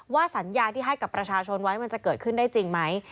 สัญญาที่ให้กับประชาชนไว้มันจะเกิดขึ้นได้จริงไหม